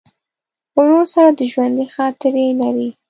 ورور سره د ژوندي خاطرې لرې.